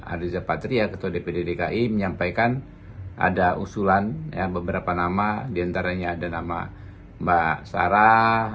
ardhiza patria ketua dpi menyampaikan ada usulan yang beberapa nama diantaranya ada nama mbak sarah